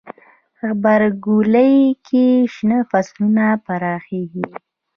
غبرګولی کې شنه فصلونه پراخیږي.